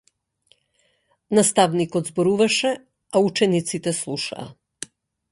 Наставникот зборуваше а учениците слушаа.